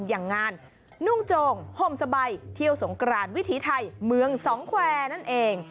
อย่างงานนุ่งโจงห่มสบายเที่ยวสงกรานวิถีไทยเมืองสองแควร์นั่นเอง